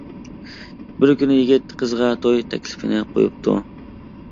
بىر كۈنى يىگىت قىزغا توي تەكلىپى قويۇپتۇ.